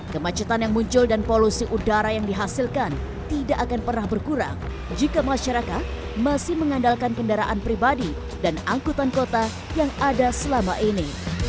kemacetan yang muncul dan polusi udara yang dihasilkan tidak akan pernah berkurang jika masyarakat masih mengandalkan kendaraan pribadi dan angkutan kota yang ada selama ini